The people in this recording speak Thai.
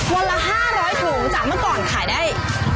วันละ๕๐๐ถุงจากเมื่อก่อนขายได้